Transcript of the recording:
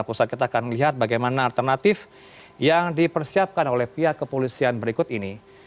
pusat kita akan melihat bagaimana alternatif yang dipersiapkan oleh pihak kepolisian berikut ini